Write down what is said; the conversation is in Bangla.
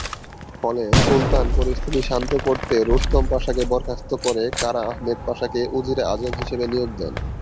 ফলে সুলতান পরিস্থিতি শান্ত করতে রুস্তম পাশাকে বরখাস্ত করে কারা আহমেদ পাশাকে উজিরে আজম হিসেবে নিয়োগ দেন।